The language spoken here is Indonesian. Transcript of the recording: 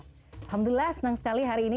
alhamdulillah senang sekali hari ini